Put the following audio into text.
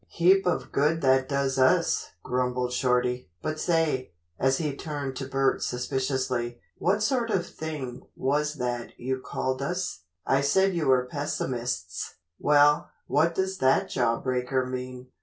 "Heap of good that does us," grumbled Shorty, "but say," as he turned to Bert suspiciously, "what sort of thing was that you called us?" "I said you were pessimists." "Well, what does that jawbreaker mean?"